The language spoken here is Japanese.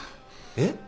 えっ？